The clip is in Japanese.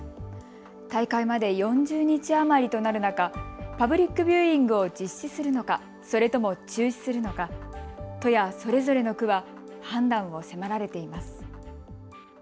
大会まで４０日余りとなる中、パブリックビューイングを実施するのか、それとも中止するのか、都やそれぞれの区は判断を迫られています。